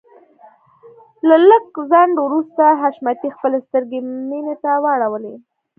له لږ ځنډ وروسته حشمتي خپلې سترګې مينې ته واړولې.